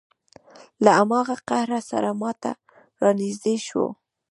له هماغه قهره سره ما ته را نږدې شو.